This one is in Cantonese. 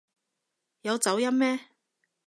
有走音咩？